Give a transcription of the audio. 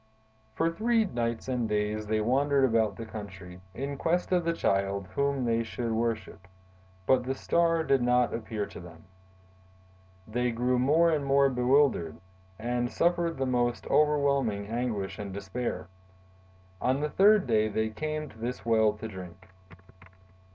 "For three nights and days they wandered about the country, in quest of the Child whom they would worship; but the Star did not appear to them. They grew more and more bewildered, and suffered the most overwhelming anguish and despair. On the third day they came to this well to drink.